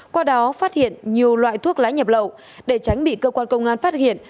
công an phát hiện nhiều loại thuốc lá nhập lậu để tránh bị cơ quan công an phát hiện